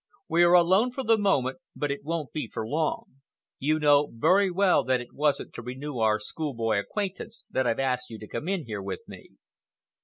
"We are alone for the moment but it won't be for long. You know very well that it wasn't to renew our schoolboy acquaintance that I've asked you to come in here with me."